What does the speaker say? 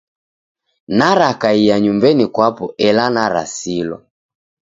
Narakaia nyumbenyi kwapo ela narasilwa.